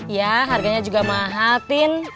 ya harganya juga mahal tin